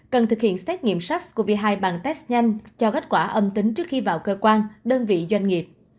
cần thực hiện xét nghiệm sars cov hai bằng test nhanh cho kết quả âm tính trước khi vào cơ quan đơn vị doanh nghiệp